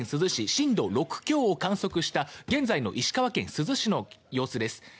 震度６強を観測した現在の石川県珠洲市の様子です。